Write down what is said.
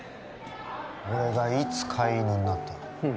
俺がいつ飼い犬になった？